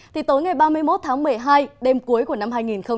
thì tối ngày ba mươi một tháng một mươi hai đêm cuối của năm hai nghìn một mươi chín